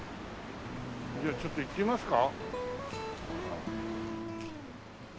じゃあちょっと行ってみますか。